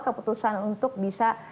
keputusan untuk bisa